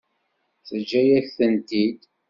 Teǧǧa-yas-tent-id.